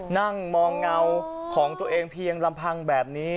นั่งมองเงาของตัวเองเพียงลำพังแบบนี้